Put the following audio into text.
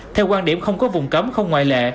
theo quan điểm không có vùng cấm không ngoại lệ